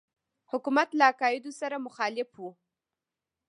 حکومت له عقایدو سره مخالف وو.